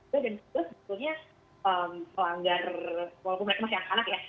dan yang kedua sebetulnya melanggar walaupun mereka masih anak anak ya